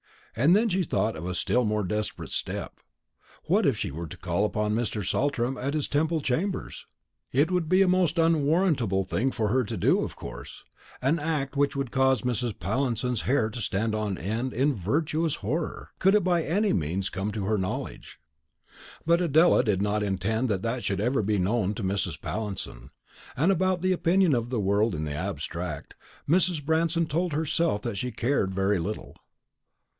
And then she thought of a still more desperate step. What if she were to call upon Mr. Saltram at his Temple chambers? It would be a most unwarrantable thing for her to do, of course; an act which would cause Mrs. Pallinson's hair to stand on end in virtuous horror, could it by any means come to her knowledge; but Adela did not intend that it ever should be known to Mrs. Pallinson; and about the opinion of the world in the abstract, Mrs. Branston told herself that she cared very little.